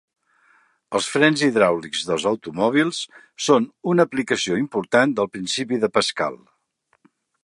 Els frens hidràulics dels automòbils són una aplicació important del principi de Pascal.